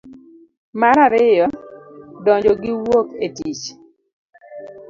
mar ariyo. donjo gi wuok e tich.